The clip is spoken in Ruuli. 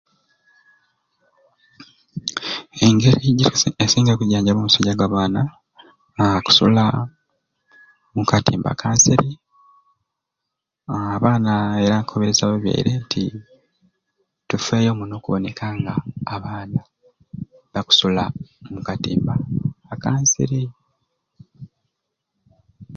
Engeri gyo esinga okujanjaba omusujja gwa baana aa kusula mu katimba ka nsiri aa abaana aa era nkubiriza ababyaire nti tufeeyo muno okuboneka nga abaana bakusula mu katimba aka nsiri.